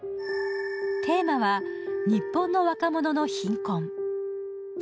テーマは日本の若者の貧困。